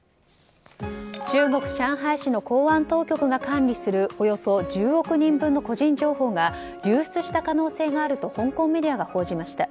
中国・上海市の公安当局が管理するおよそ１０億人分の個人情報が流出した可能性があると香港メディアが報じました。